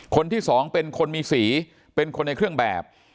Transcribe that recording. คนที่สองเป็นคนมีสีเป็นคนในเครื่องแบบ